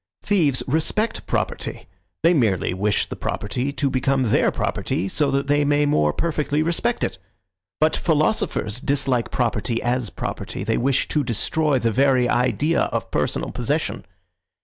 Thieves respect property. They merely wish the property to become their property that they may more perfectly respect it. But philosophers dislike property as property; they wish to destroy the very idea of personal possession.